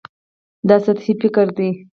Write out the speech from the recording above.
دا سطحي فکر دی.